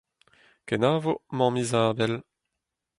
Kenavo, mamm Izabel !